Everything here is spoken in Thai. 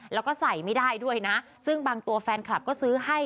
แล้วก็ใส่ไม่ได้ด้วยนะซึ่งบางตัวแฟนคลับก็ซื้อให้